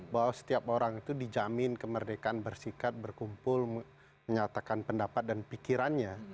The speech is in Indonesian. bahwa setiap orang itu dijamin kemerdekaan bersikap berkumpul menyatakan pendapat dan pikirannya